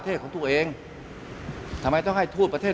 ท่านก็ให้เกียรติผมท่านก็ให้เกียรติผม